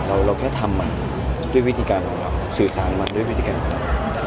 เราแค่ทำมันด้วยวิธีการของเราสื่อสารมันด้วยวิธีการของเรา